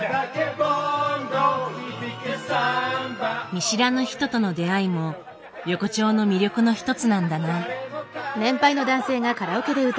見知らぬ人との出会いも横丁の魅力の一つなんだな。